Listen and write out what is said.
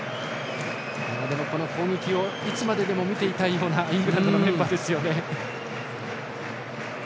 攻撃をいつまででも見ていたいようなイングランドのメンバーですね。